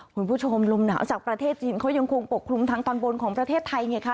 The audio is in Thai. คุณผู้ชมลมหนาวจากประเทศจีนเขายังคงปกคลุมทางตอนบนของประเทศไทยไงคะ